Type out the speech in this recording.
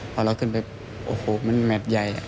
พอเราขึ้นไปโอ้โหมันแมทใหญ่